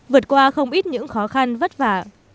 vượt qua không ít những khó khăn vất vả